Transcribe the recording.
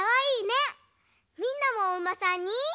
みんなもおうまさんに。